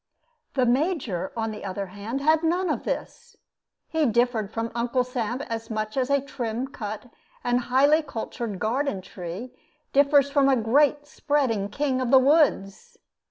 The Major, on the other hand, had none of this. He differed from Uncle Sam as much as a trim cut and highly cultured garden tree differs from a great spreading king of the woods.